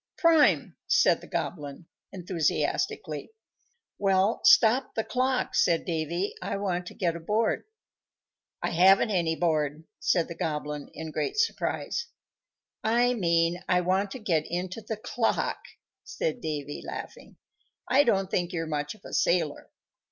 "Prime!" said the Goblin, enthusiastically. "Well, stop the clock," said Davy; "I want to get aboard." "I haven't any board," said the Goblin, in great surprise. "I mean I want to get into the clock," said Davy, laughing. "I don't think you're much of a sailor."